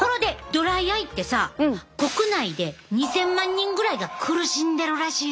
ドライアイってさ国内で２，０００万人ぐらいが苦しんでるらしいで。